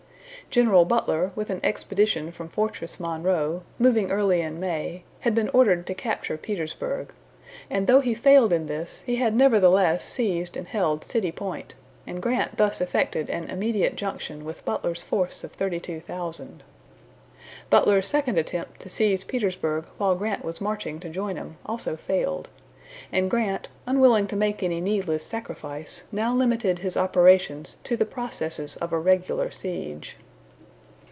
General Butler, with an expedition from Fortress Monroe, moving early in May, had been ordered to capture Petersburg; and though he failed in this, he had nevertheless seized and held City Point, and Grant thus effected an immediate junction with Butler's force of thirty two thousand. Butler's second attempt to seize Petersburg while Grant was marching to join him also failed, and Grant, unwilling to make any needless sacrifice, now limited his operations to the processes of a regular siege.